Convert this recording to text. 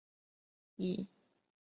已有五殿的佛教建筑群。